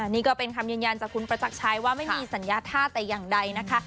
นี่ก็เป็นคำยืนยันจากคุณประจักรชัยว่าไม่มีสัญญาธาตุแต่อย่างใดนะคะ